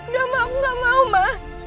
enggak ma aku enggak mau ma